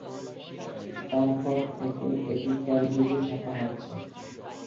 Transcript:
তার পর থেকে এটি কেমব্রিজে ছাপা হচ্ছে।